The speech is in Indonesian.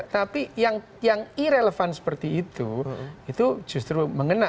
tapi yang irrelevant seperti itu itu justru mengena